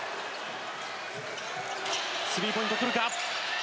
スリーポイント来るか。